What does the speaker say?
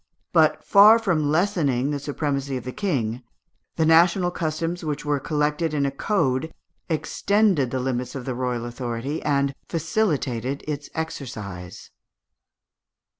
But, far from lessening the supremacy of the King, the national customs which were collected in a code extended the limits of the royal authority and facilitated its exercise.